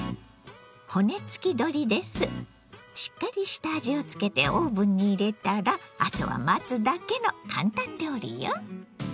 しっかり下味をつけてオーブンに入れたらあとは待つだけのカンタン料理よ。